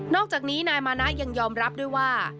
อกจากนี้นายมานะยังยอมรับด้วยว่า